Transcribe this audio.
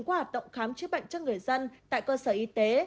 qua hoạt động khám chữa bệnh cho người dân tại cơ sở y tế